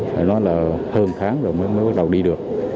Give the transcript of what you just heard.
phải nói là hơn tháng rồi mới bắt đầu đi được